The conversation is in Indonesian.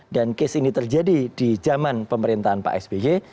dan case ini terjadi di zaman pemerintahan pak sby